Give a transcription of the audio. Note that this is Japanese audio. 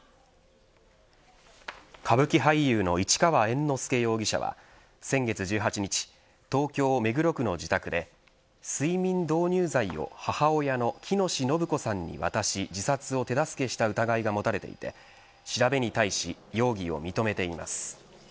歌舞伎俳優の市川猿之助容疑者は先月１８日東京、目黒区の自宅で睡眠導入剤を、母親の喜熨斗延子さんに渡し自殺を手助けした疑いがあり調べに対し容疑を認めています。